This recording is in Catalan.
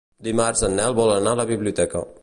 Dimarts en Nel vol anar a la biblioteca.